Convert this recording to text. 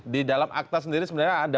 di dalam akta sendiri sebenarnya ada